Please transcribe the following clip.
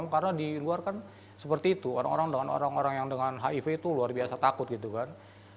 karena di luar kan seperti itu orang orang dengan orang orang yang dengan hiv itu luar biasa takut gitu kan